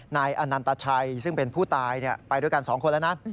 นายอนันตชัยซึ่งเป็นผู้ตายไปด้วยกัน๒คนแล้วนะ